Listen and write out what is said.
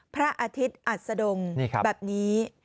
พระอาทิตย์อัศดงแบบนี้